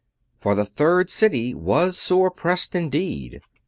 For the Third City was sore pressed indeed.